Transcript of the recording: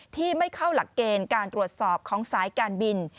ที่ไม่เข้าหลักเกณฑ์การตรวจสอบของสายการบิน